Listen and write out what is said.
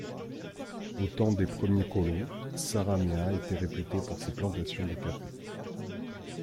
Au temps des premiers colons, Sarraméa était réputé pour ses plantations de café.